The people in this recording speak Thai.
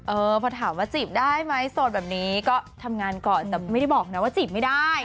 เออพอถามว่าจีบได้ไหมโสดแบบนี้ก็ทำงานก่อนแต่ไม่ได้บอกนะว่าจีบไม่ได้